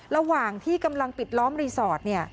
ระหว่างที่กำลังปิดล้อมรีสอร์ท